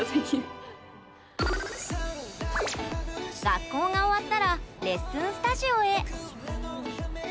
学校が終わったらレッスンスタジオへ。